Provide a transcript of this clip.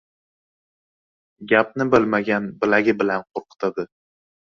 • Gapni bilmagan bilagi bilan qo‘rqitadi.